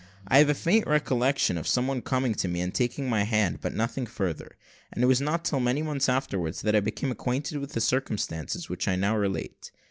I have a faint recollection of some one coming to me and taking my hand, but nothing further; and it was not till many months afterwards, that I became acquainted with the circumstances which I now relate.